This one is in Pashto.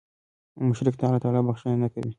مشرک ته الله تعالی بخښنه نه کوي